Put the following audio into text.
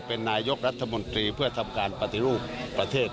เป็นนายกรัฐมนตรีเพื่อทำการปฏิรูปประเทศ